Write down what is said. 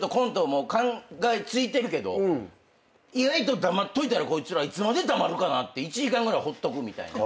もう考えついてるけど意外と黙っといたらこいつらいつまで黙るかなって１時間ぐらいほっとくみたいな。